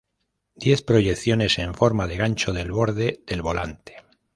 Diez proyecciones en forma de gancho del borde del volante.